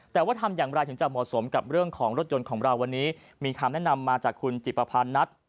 แต่ว่าทำอย่างไรถึงจะเหมาะสมกับเรื่องของรถยนต์ของเราวันนี้มีคำแนะนำมาจากคุณจิปภานัท